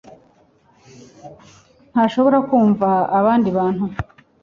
ntashobora kumva abandi bantu